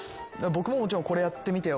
僕ももちろんこれやってみてよ